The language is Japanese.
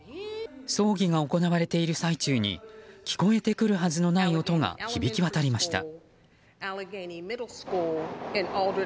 葬儀が行われている最中に聞こえてくるはずのない音が響き渡りました。